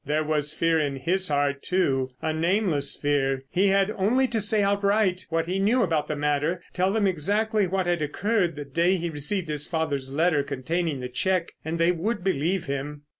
There was fear in his heart, too. A nameless fear. He had only to say outright what he knew about the matter, tell them exactly what had occurred the day he received his father's letter containing the cheque, and they would believe him.